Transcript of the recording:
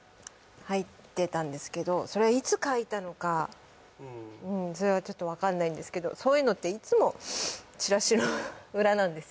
それいつ書いたのかうんそれはちょっと分かんないんですけどそういうのっていつもチラシの裏なんですよ